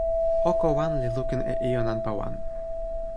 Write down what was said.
oko wan li lukin e ijo nanpa wan.